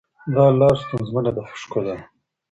دا لاره ستونزمنه ده خو ښکلې ده.